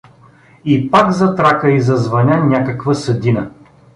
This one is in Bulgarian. И пак затрака и зазвъня някаква съдина.